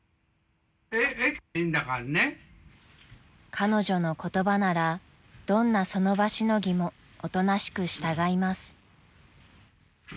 ［彼女の言葉ならどんなその場しのぎもおとなしく従います］